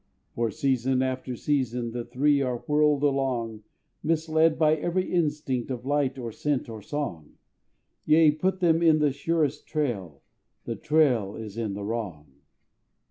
For season after season The three are whirled along, Misled by every instinct Of light, or scent, or song; Yea, put them on the surest trail, The trail is in the wrong.